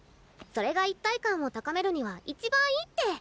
それが一体感を高めるには一番いいって。